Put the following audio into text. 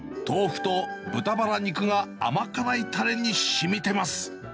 豆腐と豚バラ肉が甘辛いたれにしみてます。